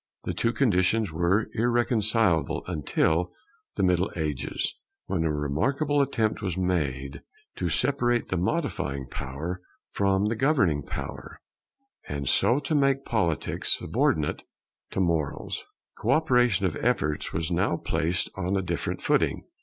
The two conditions were irreconcilable until the Middle Ages, when a remarkable attempt was made to separate the modifying power from the governing power, and so to make Politics subordinate to Morals. Co operation of efforts was now placed on a different footing.